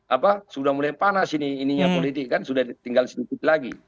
apa sudah mulai panas ini ininya politik kan sudah tinggal sedikit lagi